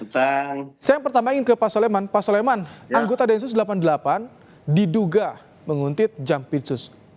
saya yang pertama ingin ke pak soleman pak soleman anggota d satu ratus delapan puluh delapan diduga menguntit jam pisus